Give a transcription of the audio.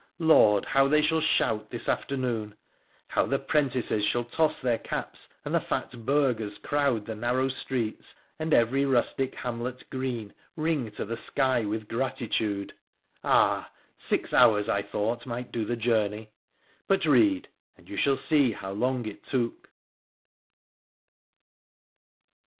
Lord I how they shall shout this afternoon ! how the 'prentices shall toss their caps, and the fat burghers crowd the narrow streets, and every rustic hamlet green ring to the sky with gratitude ! Ah ! six hours I thought might do the journey ; but read, and you shall see how long it took.